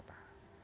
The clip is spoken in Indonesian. saya jelaskan ya